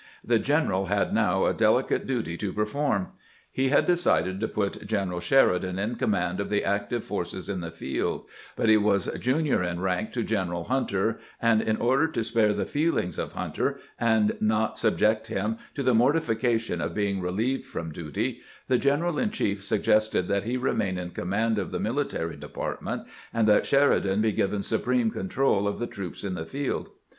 The general had now a deli 272 CAMPAIGNING WITH GEANX cate duty to perform. He had decided to put General Sheridan in command of the active forces in the field ; but he was junior in rank to Gleneral Hunter, and in order to spare the feehngs of Hunter, and not subject him to the mortification of being relieved from duty, the general in chief suggested that he remain in command of the military department, and that Sheridan be given supreme control of the troops in the field.